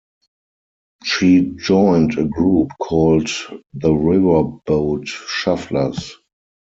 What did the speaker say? She joined a group called the Riverboat Shufflers.